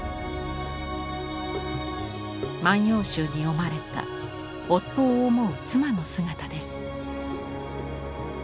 「万葉集」に詠まれた夫を思う妻の姿です。